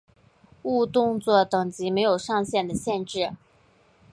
误动作等级没有上限的限制。